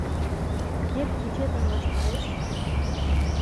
Эр кечетлан ваштареш